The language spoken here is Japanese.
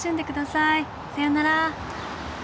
さようなら。